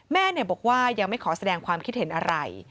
แม่บอกว่ายังไม่ขอแสดงความคิดเห็นอะไร